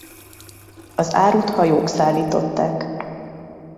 Az árut hajók szállították.